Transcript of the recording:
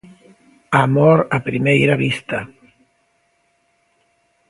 Amor a primeira vista.